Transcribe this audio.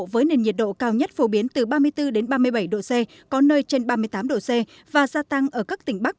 với nền nhiệt độ cao nhất phổ biến từ ba mươi bốn ba mươi bảy độ c có nơi trên ba mươi tám độ c và gia tăng ở các tỉnh bắc